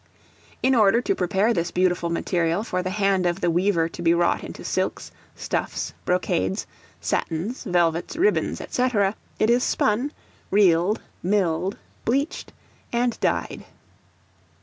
In order to prepare this beautiful material for the hand of the weaver to be wrought into silks, stuffs, brocades, satins, velvets, ribbons, &c., it is spun, reeled, milled, bleached, and dyed.